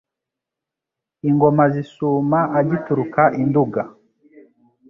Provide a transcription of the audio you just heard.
Ingoma zisuma agituruka i Nduga